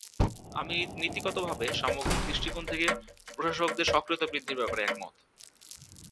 আমি নীতিগতভাবে সামগ্রিক দৃষ্টিকোণ থেকে প্রশাসকদের সক্রিয়তা বৃদ্ধির ব্যাপারে একমত।